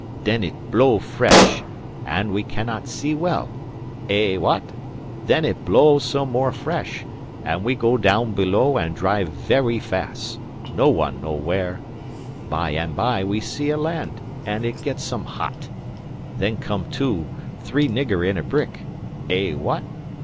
Then it blow fresh, and we cannot see well. Eh, wha at? Then it blow some more fresh, and we go down below and drive very fast no one know where. By and by we see a land, and it get some hot. Then come two, three nigger in a brick. Eh, wha at?